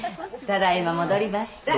ただいま戻りました。